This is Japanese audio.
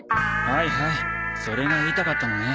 はいはいそれが言いたかったのね。